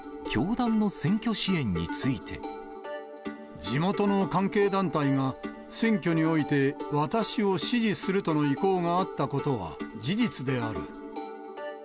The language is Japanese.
また、地元の関係団体が、選挙において私を支持するとの意向があったことは事実である。